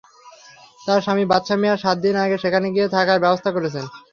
তাঁর স্বামী বাদশা মিয়া সাত দিন আগে সেখানে গিয়ে থাকার ব্যবস্থা করেছেন।